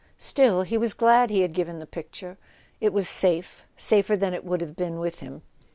Still, he was glad he had given the picture. It was safe, safer than it would have been with him.